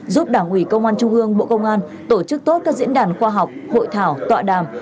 giúp đảng ủy công an trung ương bộ công an tổ chức tốt các diễn đàn khoa học hội thảo tọa đàm